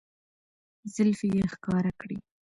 زلفې يې ښکاره کړې